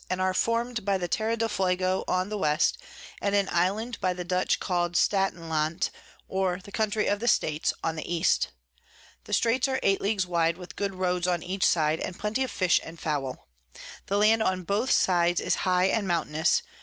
and are form'd by the Terra del Fuego on the West, and an Island by the Dutch call'd Staten landt, or the Country of the States, on the E. The Straits are 8 Leagues wide, with good Roads on each side, and plenty of Fish and Fowl. The Land on both sides is high and mountainous.